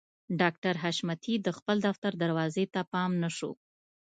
ډاکټر حشمتي د خپل دفتر دروازې ته پام نه شو